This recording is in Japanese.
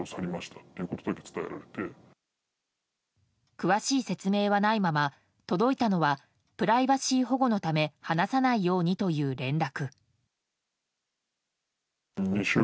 詳しい説明はないまま届いたのはプライバシー保護のため話さないようにという連絡。